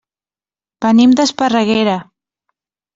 Venim d'Esparreguera.